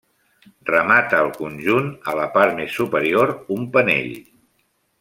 Remata el conjunt, a la part més superior, un penell.